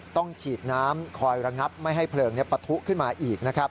ต้องฉีดน้ำคอยระงับไม่ให้เพลิงปะทุขึ้นมาอีกนะครับ